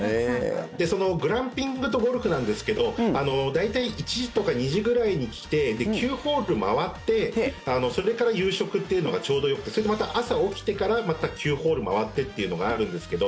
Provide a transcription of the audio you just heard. そのグランピングとゴルフなんですけど大体、１時とか２時くらいに来て９ホール回ってそれから夕食というのがちょうどよくてそれでまた朝起きてからまた９ホール回ってというのがあるんですけど。